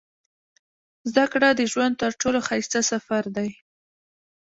• زده کړه د ژوند تر ټولو ښایسته سفر دی.